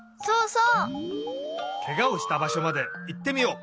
ケガをしたばしょまでいってみよう。